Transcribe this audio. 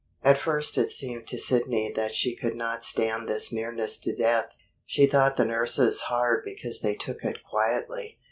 At first it seemed to Sidney that she could not stand this nearness to death. She thought the nurses hard because they took it quietly.